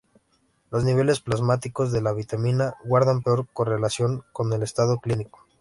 Los niveles plasmáticos de la vitamina guardan peor correlación con el estado clínico.